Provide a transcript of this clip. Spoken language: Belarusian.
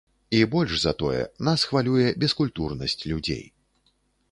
І больш за тое, нас хвалюе бескультурнасць людзей.